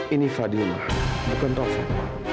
ini fadila bukan taufan